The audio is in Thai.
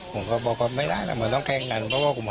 ผมก็บอกว่าไม่ได้เราต้องแข่งกัน